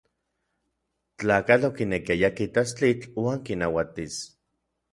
Tlakatl okinekiaya kitas tlitl uan kinauatis.